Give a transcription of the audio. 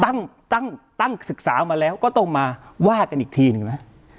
ตั้งตั้งตั้งศึกษามาแล้วก็ต้องมาว่ากันอีกทีนะ